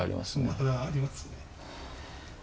まだありますね。